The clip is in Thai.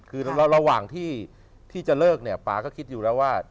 คือระหว่างที่จะเลิกเนี่ยป๊าก็คิดอยู่แล้วว่า